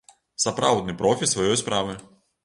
Сапраўдны профі сваёй справы!